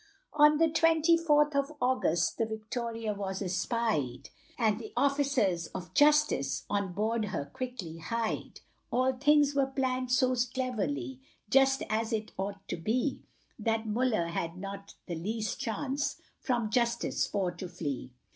On the twenty fourth of August, The Victoria was espied, And the officers of justice, On board her quickly hied; All things were planned so cleverly, Just as it ought to be, That Muller had not the least chance From Justice for to flee.